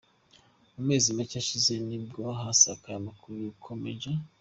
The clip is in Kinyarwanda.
Mu mezi make ashize nibwo hasakaye amakuru ko Maj.